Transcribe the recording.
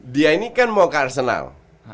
dia ini kan mau ke arsenal